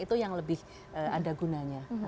itu yang lebih ada gunanya